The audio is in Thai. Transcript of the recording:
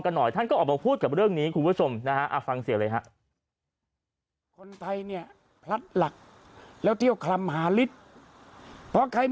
กับเรื่องนี้คุณผู้ชมอฟังเสียเลยครับ